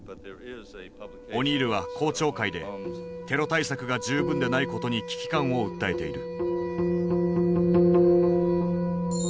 オニールは公聴会でテロ対策が十分でないことに危機感を訴えている。